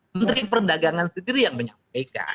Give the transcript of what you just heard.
menteri perdagangan sendiri yang menyampaikan